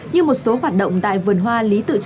như một số hoạt động tại bộ y tế